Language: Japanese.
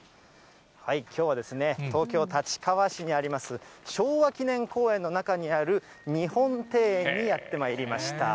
きょうはですね、東京・立川市にあります、昭和記念公園の中にある日本庭園にやってまいりました。